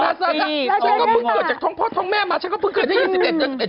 ลาซาจาก็เพิ่งเกิดจากท้องพ่อท้องแม่มาฉันก็เพิ่งเกิดให้ยินสิบเอ็ดเดือนสิบเอ็ด